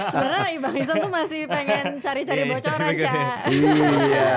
sebenarnya bang ison tuh masih pengen cari cari bocoran ya